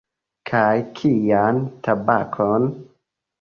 Kaj kian tabakon?